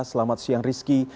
selamat siang rizky